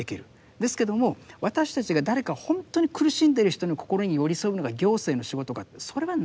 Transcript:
ですけども私たちが誰かほんとに苦しんでいる人の心に寄り添うのが行政の仕事かというとそれはないんですよ。